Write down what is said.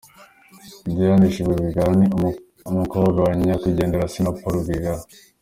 Diane Shima Rwigara, ni umukobwa wa nyakwigendera Assinapol Rwigara.